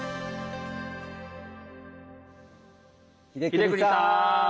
英邦さん！